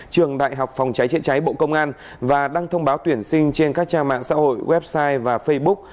trường đại học phòng trái triện trái bộ công an và đăng thông báo tuyển sinh trên các trang mạng xã hội website và facebook